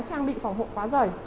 trang bị phòng hộ quá dày